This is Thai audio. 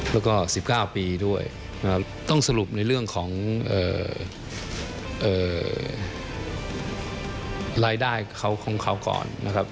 แล้วก็๑๙ปีด้วยต้องสรุปในเรื่องของรายได้เขาของเขาก่อนนะครับ